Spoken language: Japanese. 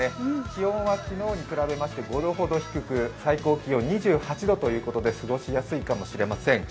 気温は昨日に比べますと５度ほど低く最高気温２８度ということで過ごしやすいかもしれません。